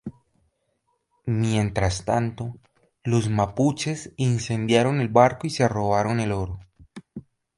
Mientras tanto, los mapuches incendiaron el barco y se robaron el oro.